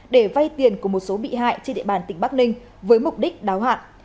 để vay tiền của một số bị hại trên địa bàn tỉnh bắc ninh với mục đích đáo hạn